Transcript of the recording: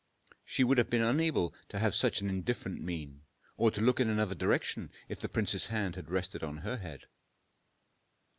She would have been unable to have such an indifferent mien, or to look in another direction if the prince's hand had rested on her head.